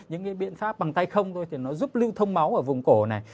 những cái biện pháp bằng tay không thôi thì nó giúp lưu thông máu ở vùng cổ này